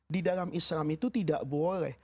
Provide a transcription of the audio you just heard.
di dalam islam itu tidak boleh